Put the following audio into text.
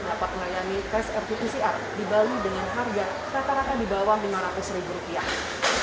dapat melayani tes rt pcr di bali dengan harga rata rata di bawah lima ratus ribu rupiah